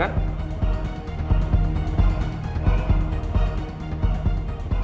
bapak tau kan